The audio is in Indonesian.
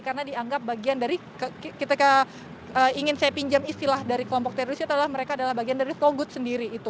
karena dianggap bagian dari kita ingin saya pinjam istilah dari kelompok teroris itu adalah mereka adalah bagian dari togut sendiri